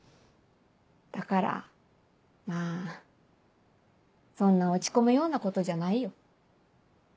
だからまぁそんな落ち込むようなことじゃないよ。